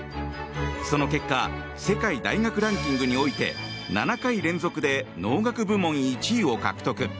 その結果世界大学ランキングにおいて７回連続で農学部門１位を獲得。